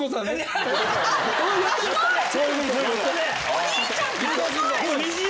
お兄ちゃん賢い！